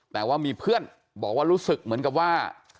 แต่ว่ามีเพื่อนบอกว่ารู้สึกเหมือนกับว่า